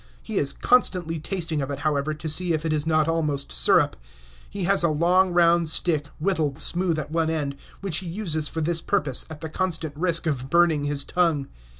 He is constantly tasting of it, however, to see if it is not almost sirup. He has a long round stick, whittled smooth at one end, which he uses for this purpose, at the constant risk of burning his tongue.